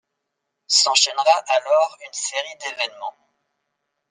S’enchaînera alors une série d’évènements.